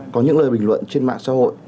có những lời bình luận trên mạng xã hội